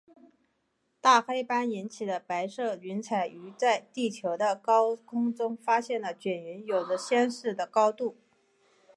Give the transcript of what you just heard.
大黑斑引起的白色云彩与在地球的高空中发现的卷云有着相似的高度。